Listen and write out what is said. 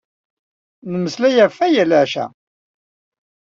Nemmeslay ɣef waya leɛca.